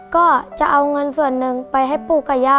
ก็จะเอาเงินส่วนหนึ่งไปให้ปู่กับย่า